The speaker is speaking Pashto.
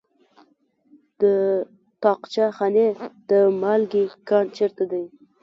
د طاقچه خانې د مالګې کان چیرته دی؟